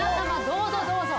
どうぞどうぞ。